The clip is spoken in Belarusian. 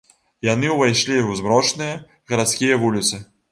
Яны ўвайшлі ў змрочныя гарадскія вуліцы.